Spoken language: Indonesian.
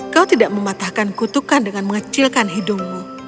kau tidak mematahkan kutukan dengan mengecilkan hidungmu